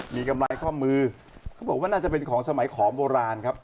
มีกำไรข้อมือเขาบอกว่าน่าจะเป็นของสมัยขอมโบราณครับ